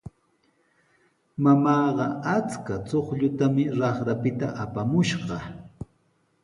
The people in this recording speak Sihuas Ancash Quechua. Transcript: Mamaaqa achka chuqllutami raqrapita apamushqa.